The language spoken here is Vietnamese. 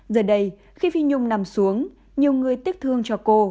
giờ đây khi phi nhung nằm xuống nhiều người tiếc thương cho cô